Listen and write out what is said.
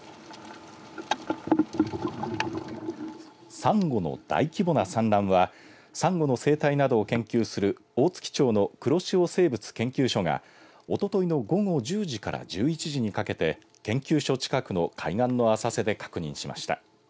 サンゴの大規模な産卵はサンゴの生態などを研究する大月町の黒潮生物研究所がおとといの午後１０時から１１時にかけて研究所近くの海岸の浅瀬で確認しました。